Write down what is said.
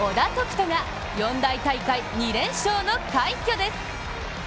人が四大大会２連勝の快挙です。